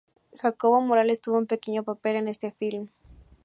Jacobo Morales tuvo un pequeño papel en este film.